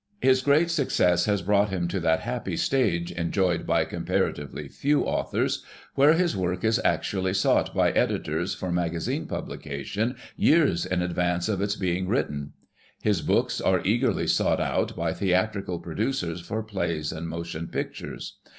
His great success has brought him to that happy stage, enjoyed by comparatively few authors, where his work is actually sought by editors for magazine publication years in advance of its being written. His books are eagerly sought out by theatrical producers for plays and motion pictures.